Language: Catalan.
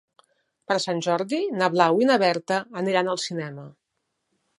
Per Sant Jordi na Blau i na Berta aniran al cinema.